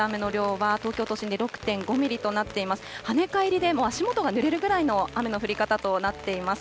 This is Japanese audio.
はねかえりで足元がぬれるぐらいの雨の降り方となっています。